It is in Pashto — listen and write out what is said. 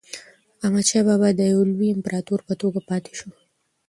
احمدشاه بابا د یو لوی امپراتور په توګه پاتې شو.